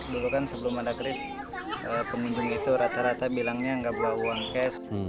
dulu kan sebelum ada kris pengunjung itu rata rata bilangnya nggak bawa uang cash